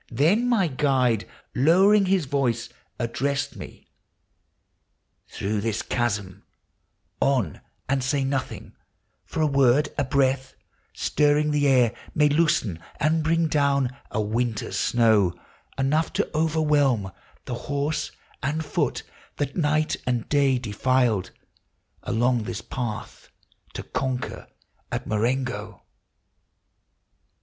Then my guide, Lowering his voice, addressed me :—" Through this chasm On, and say nothing, — for a word, a breath, Stirring the air, may loosen and bring down INLAND WATERS: HIGHLANDS. 217 A winter's snow, — enough to overwhelm The horse and foot that, night and day, defiled Along this path to conquer at Marengo."